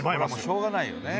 しょうがないよね。